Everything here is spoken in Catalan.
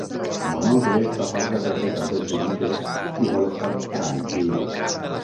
Mon oncle està fart de rebre tantes visites i vol estar tranquil